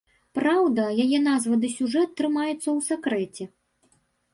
Праўда, яе назва ды сюжэт трымаюцца ў сакрэце.